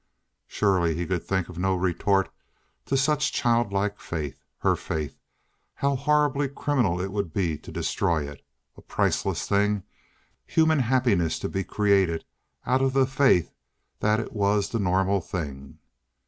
Surely he could think of no retort to such childlike faith. Her faith. How horribly criminal it would be to destroy it. A priceless thing human happiness to be created out of the faith that it was the normal thing.